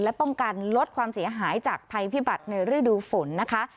และป้องกันลดความเสียหายจากภัยพิบัติในฤดูฝนนะคะ